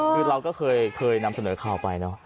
ก็คือเราก็เคยทำเสนอเข้าไปนะ